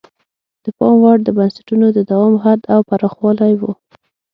د پام وړ د بنسټونو د دوام حد او پراخوالی وو.